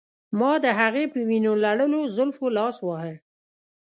ما د هغې په وینو لړلو زلفو لاس واهه